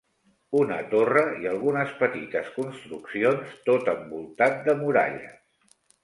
Una torre i algunes petites construccions, tot envoltat de muralles.